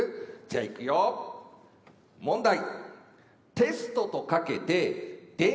じゃあいくよ問題。